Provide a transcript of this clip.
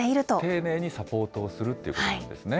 丁寧にサポートをするということなんですね。